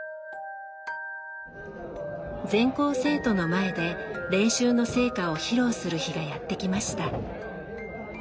全校生徒の前で練習の成果を披露する日がやって来ました。